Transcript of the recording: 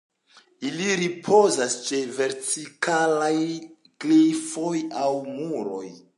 Ili ripozas ĉe vertikalaj klifoj aŭ muroj.